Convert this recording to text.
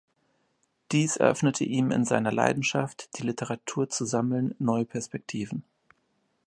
Dies eröffnete ihm in seiner Leidenschaft, die Literatur zu sammeln, neue Perspektiven.